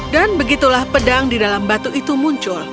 dan begitulah pedang di dalam batu itu muncul